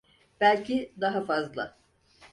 Belki daha fazla.